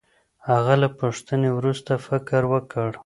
هغه له پوښتنې وروسته فکر وکړ.